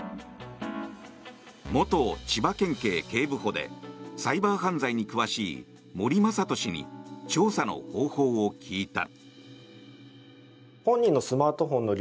元千葉県警警部補でサイバー犯罪に詳しい森雅人氏に調査の方法を聞いた。